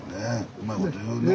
うまいこと言うなあ。